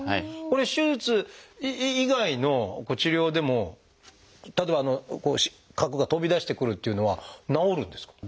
これ手術以外の治療でも例えば核が飛び出してくるというのは治るんですか？